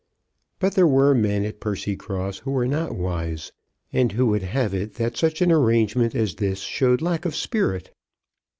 But there were men at Percycross who were not wise, and who would have it that such an arrangement as this showed lack of spirit.